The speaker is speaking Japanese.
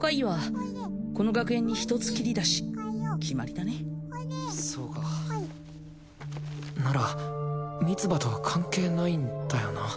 これおいそうかなら三葉とは関係ないんだよな